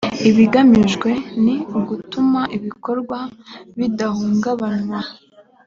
ibigamijwe ni ugutuma ibikorwa bidahungabanwa